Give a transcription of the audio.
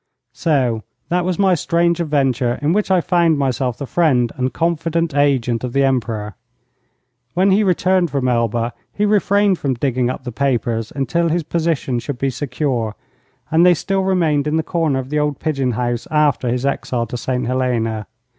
So that was my strange adventure in which I found myself the friend and confident agent of the Emperor. When he returned from Elba he refrained from digging up the papers until his position should be secure, and they still remained in the corner of the old pigeon house after his exile to St Helena.